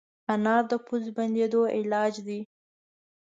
انار د پوزې بندېدو علاج دی.